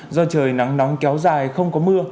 do trời nắng nóng kéo dài không có mưa